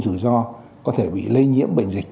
rủi ro có thể bị lây nhiễm bệnh dịch